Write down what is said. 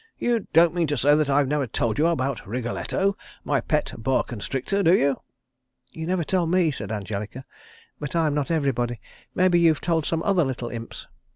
"You don't mean to say that I have never told you about Wriggletto, my pet boa constrictor, do you?" "You never told me," said Angelica. "But I'm not everybody. Maybe you've told some other little Imps."